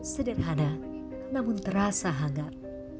sederhana namun terasa hangat